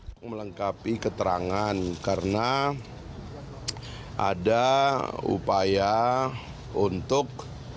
saya ingin melengkapi keterangan karena ada upaya untuk